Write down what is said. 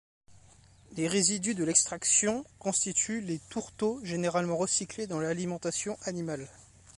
Les résidus de l'extraction constituent les tourteaux généralement recyclés dans l'alimentation animale.